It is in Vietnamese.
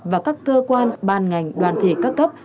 và các cơ quan ban ngành đoàn thể các cấp